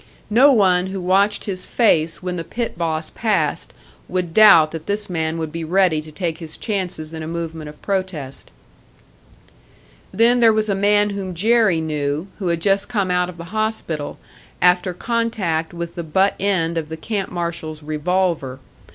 No one who watched his face when the pit boss passed would doubt that this man would be ready to take his chances in a movement of protest. Then there was a man whom Jerry knew, who had just come out of the hospital, after contact with the butt end of the camp marshal's revolver.